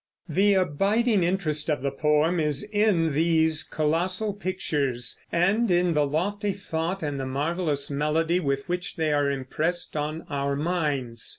The abiding interest of the poem is in these colossal pictures, and in the lofty thought and the marvelous melody with which they are impressed on our minds.